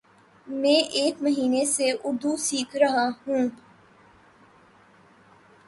میں ایک مہینہ سے اردو سیکھرہاہوں